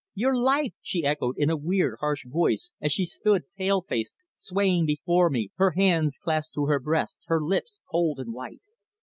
"Your life!" she echoed in a weird, harsh voice, as she stood, pale faced, swaying before me, her hands clasped to her breast, her lips cold and white.